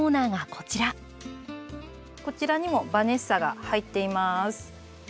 こちらにもバネッサが入っています。